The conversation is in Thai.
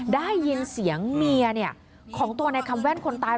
ได้ยินเสียงเมียของตัวในคำแว่นคนตาย